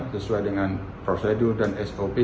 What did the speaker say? sesuai dengan prosedur dan sop